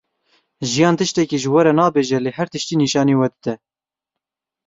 Jiyan tiştekî ji we re nabêje lê her tiştî nişanî we dide.